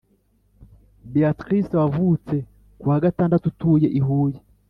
Beatrice wavutse kuwa gatandatu utuye I huye